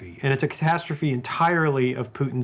dan itu kecemasan yang dilakukan oleh putin